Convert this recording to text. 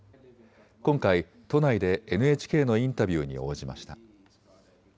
今回、都内でＮＨＫのインタビューに応じました。